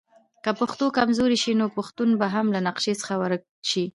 که پښتو کمزورې شي نو پښتون به هم له نقشه څخه ورک شي.